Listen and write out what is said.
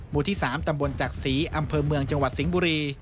หมู่ที่๓ตำบลจักษีอำเภอเมืองจังหวัดสิงห์บุรี